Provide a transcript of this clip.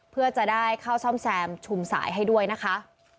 เพื่อจะได้เข้าซ่อมแซมชุมสายให้ด้วยนะคะ